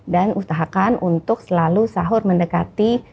dan usahakan untuk selalu sahur mendekati